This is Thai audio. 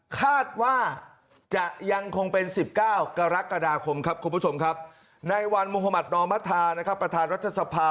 คาดว่าจะยังคงเป็น๑๙กรกฎาคมครับคุณผู้ชมครับในวันมุธมัธนอมธานะครับประธานรัฐสภา